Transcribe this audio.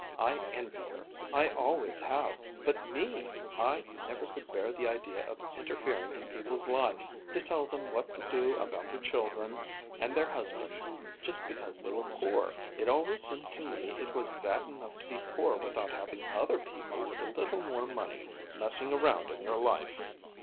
I envy her. I always have. But me I never could bear the idea of interfering in people's lives to tell them what to do about their children and their husbands just because they were poor. It always seemed to me it was bad enough to be poor without having other people with a little more money messing around in your life.